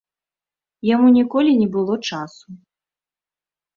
Яму ніколі не было часу.